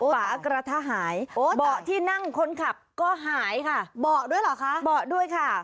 ฝากระหายเบาะที่นั่งคนขับก็หายค่ะเบาะด้วยเหรอคะเบาะด้วยค่ะ